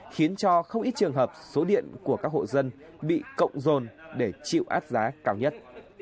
khiến cho không ít trường hợp số điện của các hộ dân bị cộng dồn để chịu áp giá cao nhất